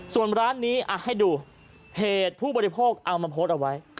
ส่วนร้านนี้ให้ดูเพจผู้บริโภคเอามาโพสต์เอาไว้